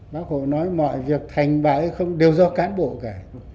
bác hồ nói mọi việc thành bại hay không đều do cán bộ cả